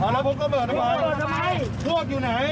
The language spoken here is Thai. ทุกคืนครับ